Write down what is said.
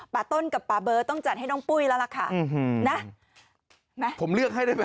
ปาต้นกับปาเบอร์ต้องจัดให้น้องปุ้ยแล้วล่ะค่ะ